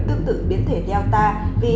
tương tự biến thể delta vì